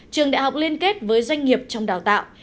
trường đại học liên kết với doanh nghiệp trong đào tạo